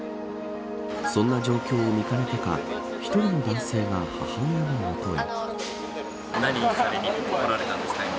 そんな状況をみかねてか１人の男性が母親のもとへ。